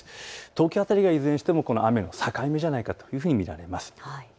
東京辺りがいずれにしても雨の境目じゃないかというふうに見られます。